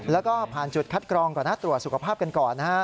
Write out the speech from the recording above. แล้วก็ผ่านจุดคัดกรองก่อนหน้าตัวสุขภาพกันก่อน